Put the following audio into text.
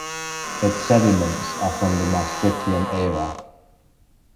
Its sediments are from the Maastrichtian era.